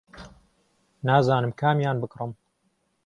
نازانم کامیان بکڕم.